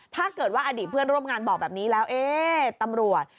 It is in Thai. ถ้าเกิดว่าอดีตเพื่อนร่วมงานบอกแบบนี้แล้วเอ๊ะตำรวจ